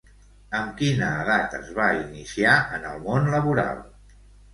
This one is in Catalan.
Amb quina edat es va iniciar en el món laboral?